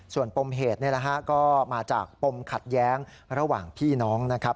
ส่วนปมเหตุก็มาจากปมขัดแย้งระหว่างพี่น้องนะครับ